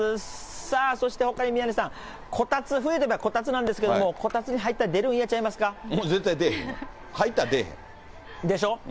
さあ、そしてほかに宮根さん、こたつ、冬といえばこたつなんですけれども、こたつに入ったら、もう絶対出えへんわ、入ったでしょ？